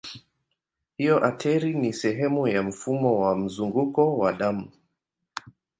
Hivyo ateri ni sehemu ya mfumo wa mzunguko wa damu.